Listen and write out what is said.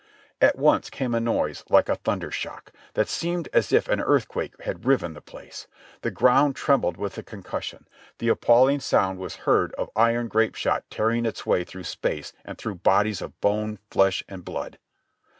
At once came a noise like a thunder shock, that seemed as if an earthquake had riven the place. The ground trembled with the concussion. The appalling sound was heard of iron grape shot tearing its way through space and through bodies of bone, flesh and blood.